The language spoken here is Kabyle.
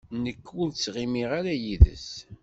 Nekk ur ttɣimiɣ ara yid-s.